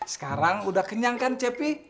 sekarang udah kenyang kan cepi